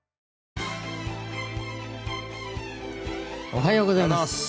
おはようございます。